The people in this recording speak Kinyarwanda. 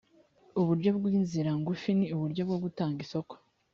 uburyo bw inzira ngufi ni uburyo bwo gutanga isoko